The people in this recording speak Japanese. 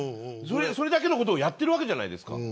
それだけのことをやってるわけじゃないですか。